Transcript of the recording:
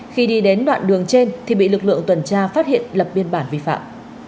khi đi đến đoạn đường trên thì bị lực lượng tuần tra phát hiện lập biên bản vi phạm